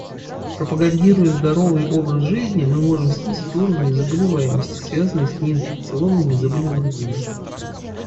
Пропагандируя здоровый образ жизни, мы можем снизить уровни заболеваемости, связанные с неинфекционными заболеваниями.